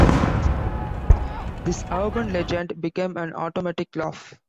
This urban legend became an automatic laugh.